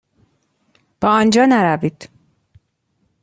به آن جا نروید.